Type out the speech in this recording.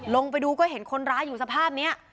ลงไปดูก็เห็นคนร้ายอยู่สภาพนี้